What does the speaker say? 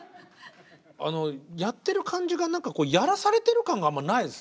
あのやってる感じが何かこうやらされてる感があんまないですね。